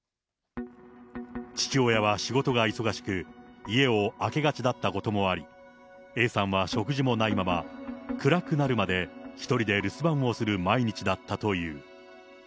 父親は仕事が忙しく、家を空けがちだったこともあり、Ａさんは食事もないまま、暗くなるまで１人で留守番をする毎日だったという。